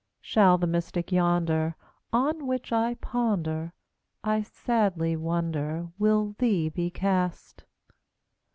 Shall the mystic Yonder, On which I ponder, I sadly wonder, With thee be cast?